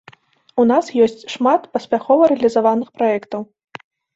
У нас ёсць шмат паспяхова рэалізаваных праектаў.